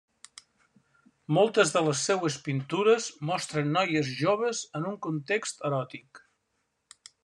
Moltes de les seues pintures mostren noies joves en un context eròtic.